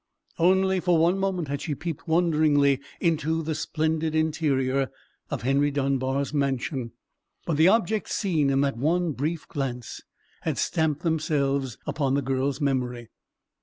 Only for one moment had she peeped wonderingly into the splendid interior of Henry Dunbar's mansion; but the objects seen in that one brief glance had stamped themselves upon the girl's memory.